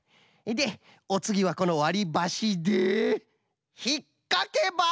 でおつぎはこのわりばしでひっかけば。